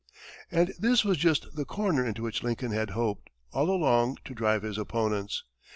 And this was just the corner into which Lincoln had hoped, all along, to drive his opponents.